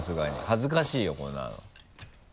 恥ずかしいよこんなの。